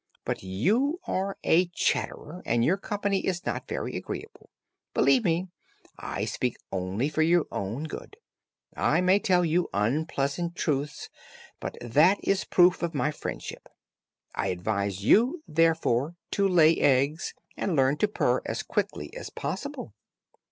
But you are a chatterer, and your company is not very agreeable. Believe me, I speak only for your own good. I may tell you unpleasant truths, but that is a proof of my friendship. I advise you, therefore, to lay eggs, and learn to purr as quickly as possible."